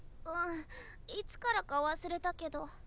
うんいつからか忘れたけど。